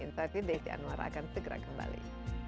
intravid devi anwar akan segera kembali